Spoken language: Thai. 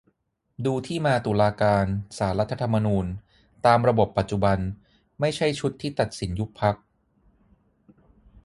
ดูที่มาตุลาการ ศาลรัฐธรรมนูญ ตามระบบปัจจุบัน ไม่ใช่ชุดที่ตัดสินยุบพรรค